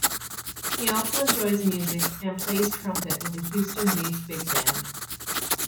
He also enjoys music, and plays trumpet with a Houston-based big band.